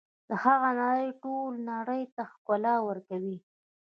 د هغه نړۍ ټولې نړۍ ته ښکلا ورکړه.